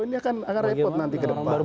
ini akan repot nanti ke depan